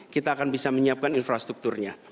kita akan bisa menyiapkan infrastrukturnya